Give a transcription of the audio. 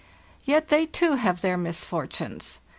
Yet they too have their misfortunes.